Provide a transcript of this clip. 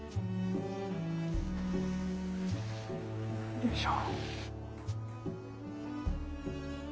よいしょ。